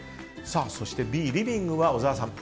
そしてＢ、リビングは小沢さん。